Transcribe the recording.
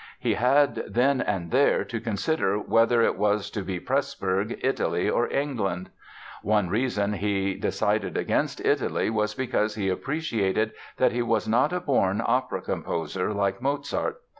He had, then and there, to consider whether it was to be Pressburg, Italy or England. One reason he decided against Italy was because he appreciated that he was not a born opera composer, like Mozart.